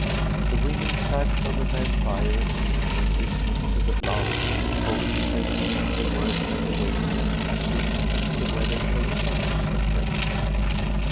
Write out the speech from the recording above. The women sat over their fire in the evening listening to the blast, cogitating the work that awaited them as soon as the weather showed signs of breaking.